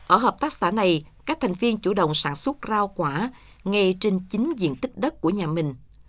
ở hợp tác xã này các thành viên chủ động sản xuất rau quả ngay trên chính diện tích đất của nhà mình